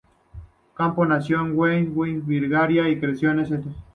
Campo nació en Wheeling, West Virginia, y creció en St.